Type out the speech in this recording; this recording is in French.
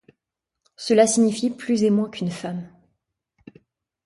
Cela signifie plus et moins qu’une femme.